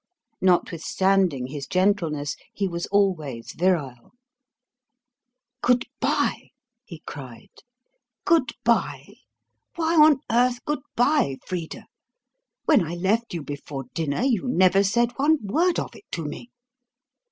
Notwithstanding his gentleness he was always virile. "Good bye!" he cried. "Good bye! why on earth good bye, Frida? When I left you before dinner you never said one word of it to me."